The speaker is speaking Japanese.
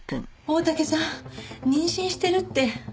大竹さん妊娠してるって。